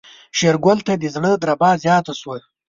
شېرګل ته د زړه دربا زياته شوه.